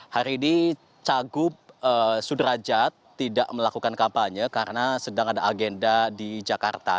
hari ini cagup sudrajat tidak melakukan kampanye karena sedang ada agenda di jakarta